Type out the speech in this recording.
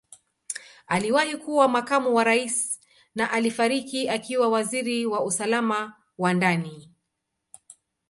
Aliwahi kuwa Makamu wa Rais na alifariki akiwa Waziri wa Usalama wa Ndani.